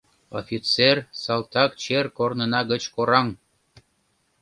Офицер Салтак чер Корнына гыч кораҥ!